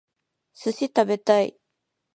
寿司食べたい